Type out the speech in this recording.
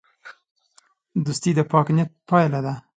دوستي د پاک نیت پایله ده.